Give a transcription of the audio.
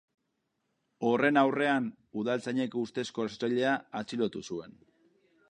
Horren aurrean, udaltzainek ustezko erasotzailea atxilotu zuen.